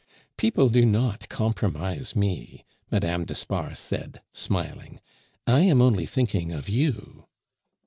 "People do not compromise me," Mme. d'Espard said, smiling; "I am only thinking of you."